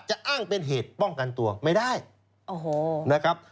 อ้างเป็นเหตุป้องกันตัวไม่ได้โอ้โหนะครับ